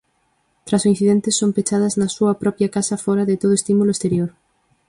Tras o incidente son pechadas na súa propia casa fóra de todo estímulo exterior.